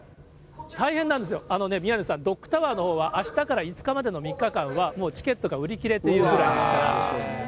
大変なんですよ、宮根さん、ドックタワーのほうはあしたから５日までの３日間は、もうチケットが売り切れというぐらいですから。